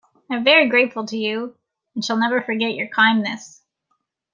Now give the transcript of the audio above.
I am very grateful to you, and shall never forget your kindness.